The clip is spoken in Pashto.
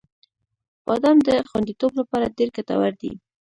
• بادام د خوندیتوب لپاره ډېر ګټور دی.